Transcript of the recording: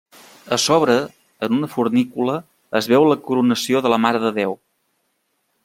A sobre, en una fornícula, es veu la Coronació de la Mare de Déu.